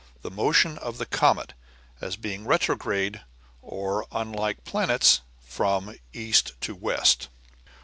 The motion of the comet, as being retrograde, or, unlike the planets, from east to west.